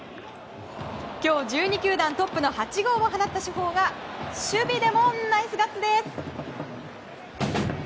今日１２球団トップの８号を放った主砲が守備でもナイスガッツです！